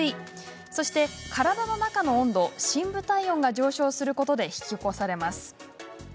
そして、体の中の温度深部体温が上昇することで引き起こされます。